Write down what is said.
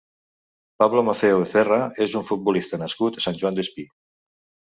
Pablo Maffeo Becerra és un futbolista nascut a Sant Joan Despí.